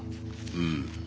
うん。